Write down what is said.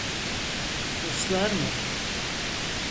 Ruslar mı?